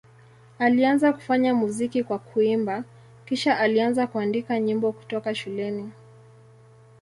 Alianza kufanya muziki kwa kuimba, kisha alianza kuandika nyimbo kutoka shuleni.